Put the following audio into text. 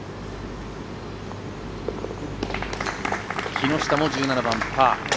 木下も１７番、パー。